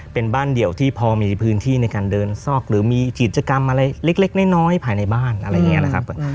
เป็นบ้านเดี่ยวที่พอมีพื้นที่ในการเดินซอกหรือมีกิจกรรมอะไรเล็กน้อยภายในบ้านอะไรอย่างนี้นะครับ